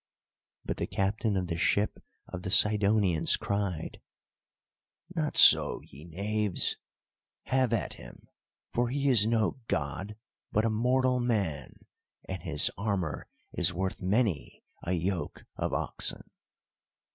But the captain of the ship of the Sidonians cried: "Not so, ye knaves! Have at him, for he is no god, but a mortal man; and his armour is worth many a yoke of oxen!"